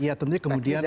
ya tentunya kemudian